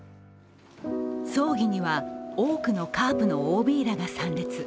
葬儀には多くのカープのＯＢらが参列。